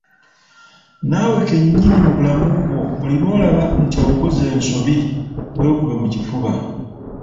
Naawe kennyini mu bulamu bwo buli lw'olaba nti okoze ensobi weekube mu kifuba.